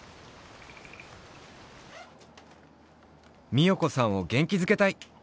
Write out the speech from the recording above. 美代子さんをげんきづけたい！